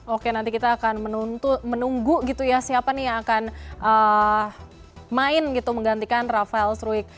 oke nanti kita akan menunggu gitu ya siapa nih yang akan main gitu menggantikan rafael struik